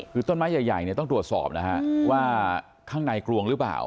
คือต้นไม้ใหญ่เนี่ยต้องตรวจสอบนะฮะว่าข้างในกรวงหรือเปล่า